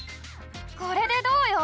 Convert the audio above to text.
これでどうよ！